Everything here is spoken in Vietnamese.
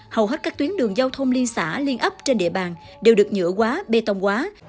hầu hết các tuyến đường giao thông liên xã liên ấp trên địa bàn đều được nhựa quá bê tông quá